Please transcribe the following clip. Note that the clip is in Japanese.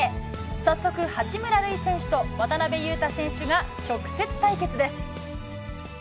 早速、八村塁選手と渡邊雄太選手が直接対決です。